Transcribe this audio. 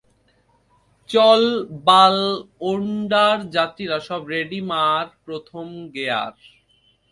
চল বালওনডার যাত্রীরা সব রেডি মার প্রথম গেয়ার!